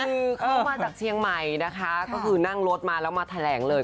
คือเข้ามาจากเชียงใหม่นะคะก็คือนั่งรถมาแล้วมาแถลงเลย